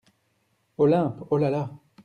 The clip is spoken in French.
Olympe Oh ! là ! là !